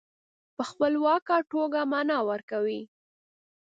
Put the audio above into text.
په خپلواکه توګه معنا ورکوي.